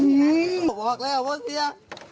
นี่นี่มาช่วย